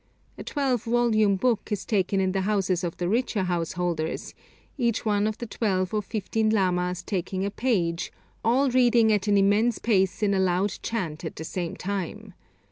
A twelve volume book is taken in the houses of the richer householders, each one of the twelve or fifteen lamas taking a page, all reading at an immense pace in a loud chant at the same time.